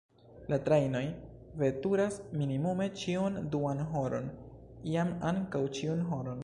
La trajnoj veturas minimume ĉiun duan horon, iam ankaŭ ĉiun horon.